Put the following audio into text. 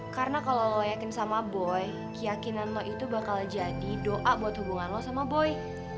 karena kalau lo yakin sama boy keyakinan lo itu bakal jadi doa buat hubungan lo sama boy